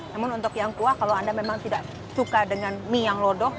namun untuk yang kuah kalau anda memang tidak suka dengan mie yang lodok